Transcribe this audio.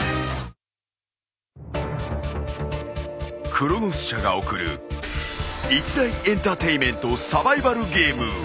［クロノス社が送る一大エンターテインメントサバイバルゲーム］